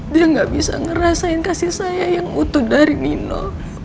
dia gak bisa ngerasain kasih saya yang utuh dari nino